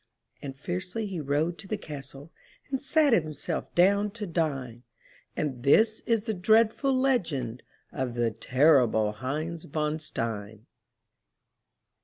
And fiercely he rode to the castle And sat himself down to dine; And this is the dreadful legend Of the terrible Heinz von Stein.